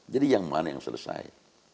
jadi yang mana yang selesai